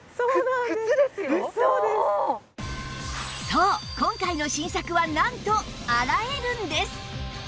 そう今回の新作はなんと洗えるんです！